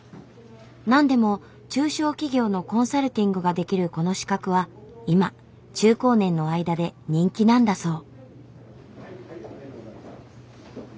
なんでも中小企業のコンサルティングができるこの資格は今中高年の間で人気なんだそう。